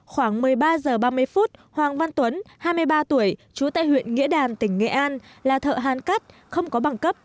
khoảng một mươi ba h ba mươi phút hoàng văn tuấn hai mươi ba tuổi trú tại huyện nghĩa đàn tỉnh nghệ an là thợ hàn cắt không có bằng cấp